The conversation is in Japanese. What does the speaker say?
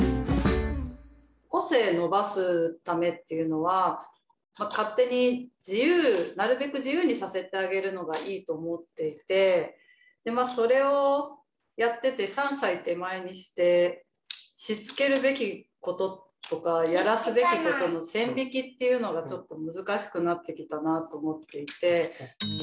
個性伸ばすためっていうのは勝手になるべく自由にさせてあげるのがいいと思っていてそれをやってて３歳手前にしてしつけるべきこととかやらすべきことの線引きっていうのが難しくなってきたなと思っていて。